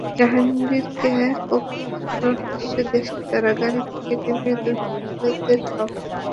জাহাঙ্গীরকে কোপানোর দৃশ্য দেখে তাঁরা গাড়ি থেকে নেমে দুর্বৃত্তদের ধাওয়া করেন।